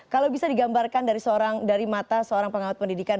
kalau bisa digambarkan dari mata seorang pengawat pendidikan